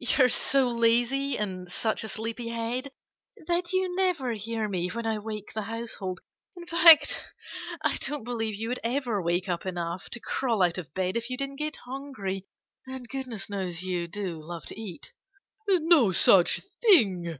"You're so lazy and such a sleepy head that you never hear me when I wake the household. In fact, I don't believe you would ever wake up enough to crawl out of bed if you didn't get hungry and goodness knows you do love to eat." "No such thing!"